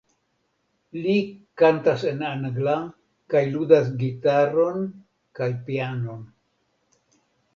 Li kantas en angla kaj ludas gitaron kaj pianon.